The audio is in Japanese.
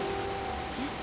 えっ？